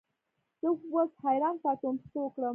زه اوس حیران پاتې وم چې څه وکړم.